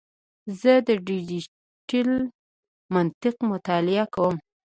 زه د ډیجیټل منطق مطالعه کوم.